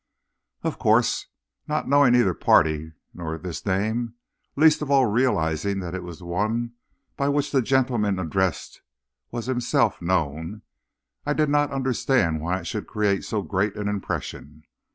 "Of course, not knowing either party, nor this name, least of all realizing that it was the one by which the gentleman addressed was himself known, I did not understand why it should create so great an impression.